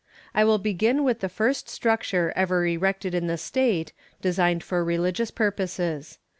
I will begin with the first structure ever erected in the state, designed for religious purposes.